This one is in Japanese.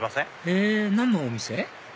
へぇ何のお店？